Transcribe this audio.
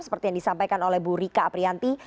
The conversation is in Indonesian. seperti yang disampaikan oleh bu rika aprianti